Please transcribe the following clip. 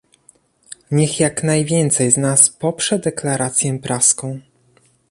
Niech jak najwięcej z nas poprze deklarację praską